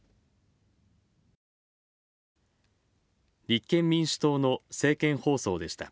立憲民主党の政見放送でした。